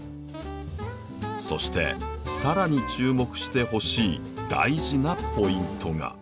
そして更に注目してほしい大事なポイントが。